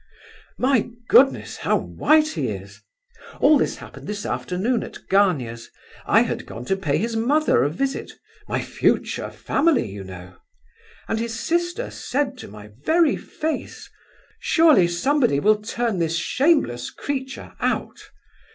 My goodness, how white he is! All this happened this afternoon, at Gania's. I had gone to pay his mother a visit—my future family, you know! And his sister said to my very face, surely somebody will turn this shameless creature out.